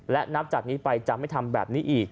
และนับจากนี้ไปจะไม่ทำแบบนี้อีก